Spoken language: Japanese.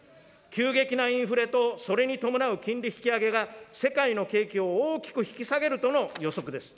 急激なインフレと、それに伴う金利引き上げが世界の景気を大きく引き下げるとの予測です。